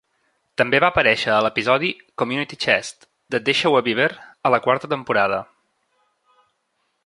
També va aparèixer a l'episodi "Community Chest" de "Deixa-ho a Beaver" a la quarta temporada.